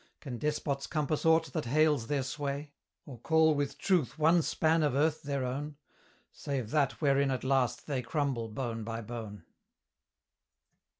Can despots compass aught that hails their sway? Or call with truth one span of earth their own, Save that wherein at last they crumble bone by bone?